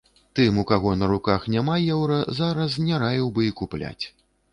Тым, у каго на руках няма еўра, зараз не раіў бы і купляць.